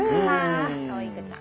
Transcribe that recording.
かわいこちゃん。